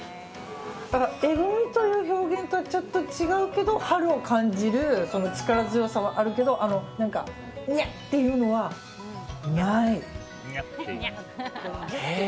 だから、えぐみという表現とはちょっと違うけど春を感じる力強さはあるけど何か、にゃっていうのはない。